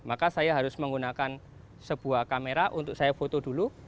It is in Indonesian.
maka saya harus menggunakan sebuah kamera untuk saya foto dulu